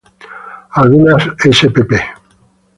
Algunas spp.